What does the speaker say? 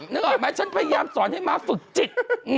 นึกออกไหมฉันพยายามสอนให้ม้าฝึกจิต